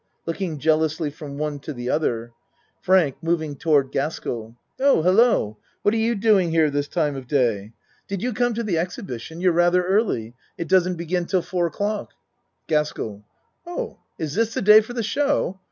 (Looking jealously from one to the other.) FRANK (Moving toward Gaskell.) Oh, hel lo, what are you doing here this time of day? Did 70 A MAN'S WORLD you come to the exhibition? You're rather early. It doesn't begin till four o'clock. GASKELL Oh, is this the day for the show?